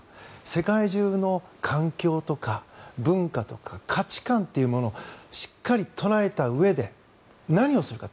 世界中の環境とか文化とか価値観というものをしっかり捉えたうえで何をするか。